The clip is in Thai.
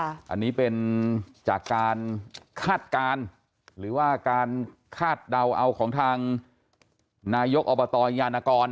อันนี้เป็นจากการคาดการณ์หรือว่าการคาดเดาเอาของทางนายกอบตยานกร